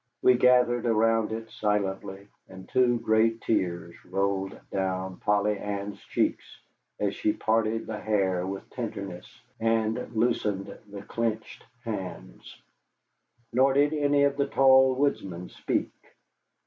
We gathered around it silently, and two great tears rolled down Polly Ann's cheeks as she parted the hair with tenderness and loosened the clenched hands. Nor did any of the tall woodsmen speak.